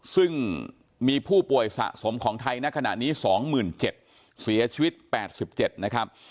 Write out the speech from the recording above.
ซึ่งมีผู้ป่วยสะสมของไทยในขณะนี้สองหมื่นเจ็ดเสียชีวิตแปดสิบเจ็ดนะครับ